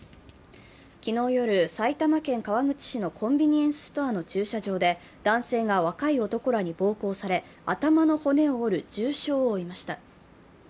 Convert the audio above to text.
昨日夜、埼玉県川口市のコンビニエンスストアの駐車場で、男性が若い男らに暴行され頭の骨を折る重傷を負いました。